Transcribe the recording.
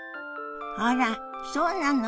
あらそうなの。